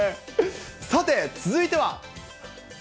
さて、続いては。